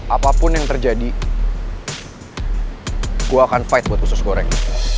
apapun yang terjadi gue akan berjuang buat usus goreng